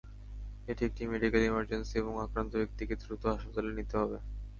এটি একটি medical emergency এবং আক্রান্ত ব্যক্তিকে দ্রুত হাসপাতালে নিতে হবে।